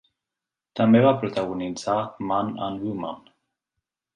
També va protagonitzar "Man and Woman".